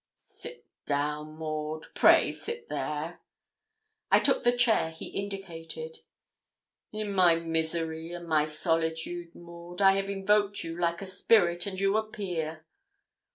'Sit down, Maud pray sit there.' I took the chair he indicated. 'In my misery and my solitude, Maud, I have invoked you like a spirit, and you appear.'